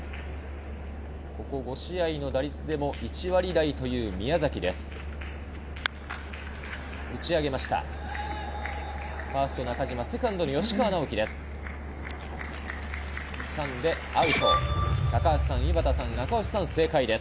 ここ５試合の打率でも１割台という宮崎です。